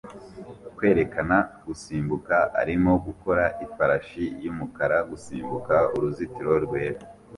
Kwerekana gusimbuka arimo gukora ifarashi yumukara gusimbuka uruzitiro rwera